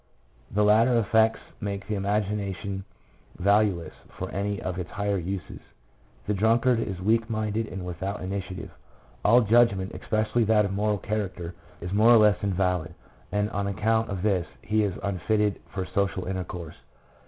The later effects make the imagination value less for any of its higher uses. The drunkard is weak minded and without initiative. All judgment, especially that of a moral character, is more or less invalid, and on account of this he is unfitted for social intercourse.